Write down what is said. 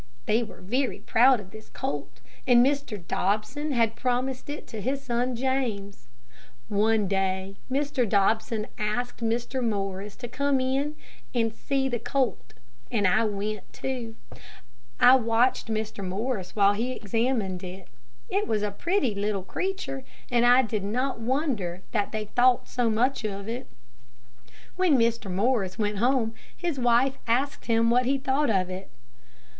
They were very proud of this colt, and Mr. Dobson had promised it to his son James. One day Mr. Dobson asked Mr. Morris to come in and see the colt, and I went, too. I watched Mr. Morris while he examined it. It was a pretty little creature, and I did not wonder that they thought so much of it. "When Mr. Morris went home his wife asked him what he thought of it.